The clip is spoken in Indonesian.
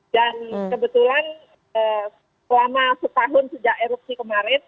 dan kebetulan selama setahun sejak erupsi kemarin